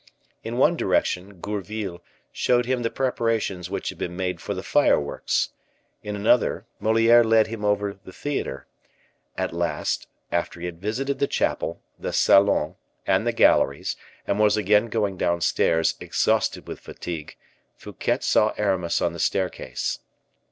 In one direction Gourville showed him the preparations which had been made for the fireworks; in another, Moliere led him over the theater; at last, after he had visited the chapel, the salons, and the galleries, and was again going downstairs, exhausted with fatigue, Fouquet saw Aramis on the staircase.